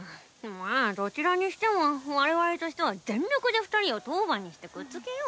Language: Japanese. まあどちらにしても我々としては全力で二人を当番にしてくっつけよう。